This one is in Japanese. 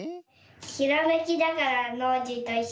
ひらめきだからノージーといっしょで。